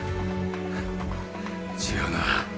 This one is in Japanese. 違うな。